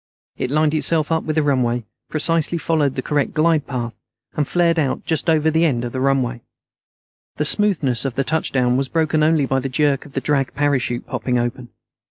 It lined itself up with the runway, precisely followed the correct glide path, and flared out just over the end of the runway. The smoothness of the touchdown was broken only by the jerk of the drag parachute popping open.